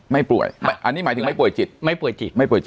ไม่ป่วยอันนี้หมายถึงไม่ป่วยจิตไม่ป่วยจิตไม่ป่วยจิต